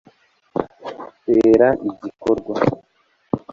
tera igikorwa